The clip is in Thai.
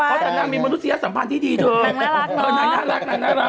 มันออกที่น้ำมีมนุษยสัมพันธ์ที่ดีนักน่ารัก